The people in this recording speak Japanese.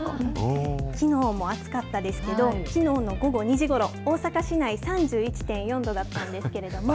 きのうも暑かったですけど、きのうの午後２時ごろ、大阪市内３１．４度だったんですけれども。